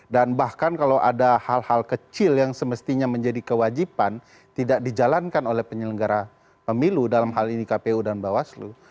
dan bahkan kalau ada hal hal kecil yang semestinya menjadi kewajiban tidak dijalankan oleh penyelenggara pemilu dalam hal ini kpu dan bawaslu